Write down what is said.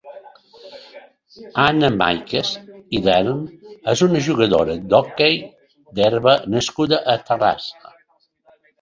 Anna Maiques i Dern és una jugadora d'hoquei herba nascuda a Terrassa.